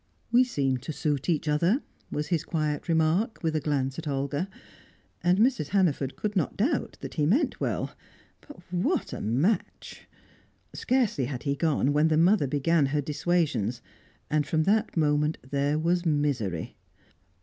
"We seem to suit each other," was his quiet remark, with a glance at Olga; and Mrs. Hannaford could not doubt that he meant well. But what a match! Scarcely had he gone, when the mother began her dissuasions, and from that moment there was misery.